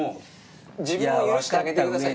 自分を許してあげてください。